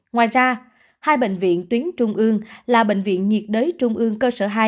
ngoài ra hai bệnh viện tuyến trung ương là bệnh viện nhiệt đới trung ương cơ sở hai